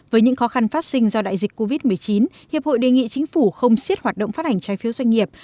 với những khó khăn phát sinh do đại dịch covid một mươi chín hiệp hội đề nghị chính phủ không xiết hoạt động phát hành trái phiếu doanh nghiệp